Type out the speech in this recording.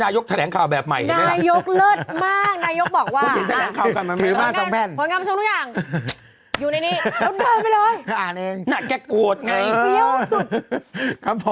น่ะแกกลัวห์ดไง